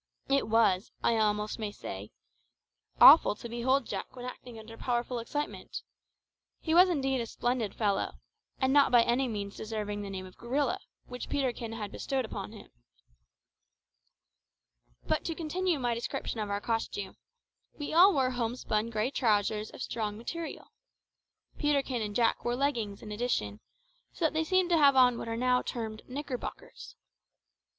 It was, I may almost say, awful to behold Jack when acting under powerful excitement. He was indeed a splendid fellow, and not by any means deserving of the name of gorilla, which Peterkin had bestowed on him. But to continue my description of our costume. We all wore homespun grey trousers of strong material. Peterkin and Jack wore leggings in addition, so that they seemed to have on what are now termed knickerbockers.